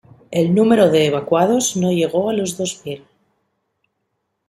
El número de evacuados no llegó a los dos mil.